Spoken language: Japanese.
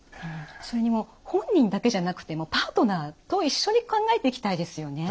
それにもう本人だけじゃなくてもパートナーと一緒に考えていきたいですよね。